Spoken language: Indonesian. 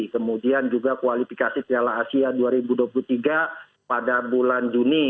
kemudian juga kualifikasi piala asia dua ribu dua puluh tiga pada bulan juni